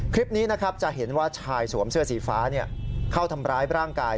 คลิปนี้เจอชายสวมเสื้อสีฟ้าเขาทำร้ายร่างกาย